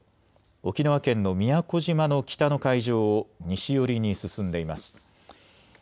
沖縄県の宮古島の北の海上を西寄りに進んでいます。